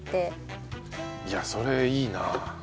いやそれいいな。